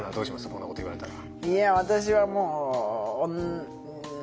こんなこと言われたら。